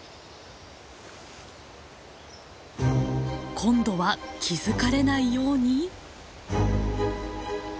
今度は気付かれないように。